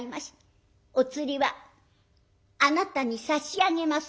お釣りはあなたに差し上げます」。